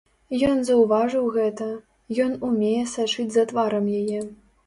Ён заўважыў гэта, ён умее сачыць за тварам яе.